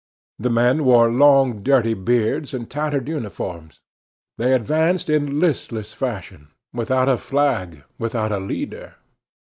The men wore long, dirty beards and tattered uniforms; they advanced in listless fashion, without a flag, without a leader.